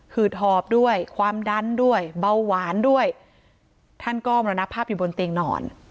ืดหอบด้วยความดันด้วยเบาหวานด้วยท่านก็มรณภาพอยู่บนเตียงนอน